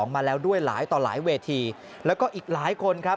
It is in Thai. มาแล้วด้วยหลายต่อหลายเวทีแล้วก็อีกหลายคนครับ